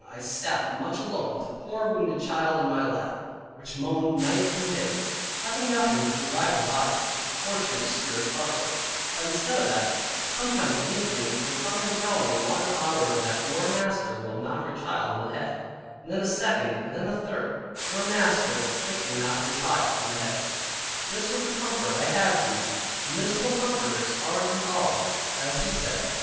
I sat much alone with a poor wounded child in my lap, which moaned night and day, having nothing to revive the body, or cheer the spirits of her, but instead of that, sometimes one Indian would come and tell me one hour that "your master will knock your child in the head," and then a second, and then a third, "your master will quickly knock your child in the head." This was the comfort I had from them, miserable comforters are ye all, as he said.